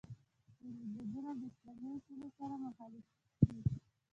ځینې دودونه د اسلامي اصولو سره مخالف دي.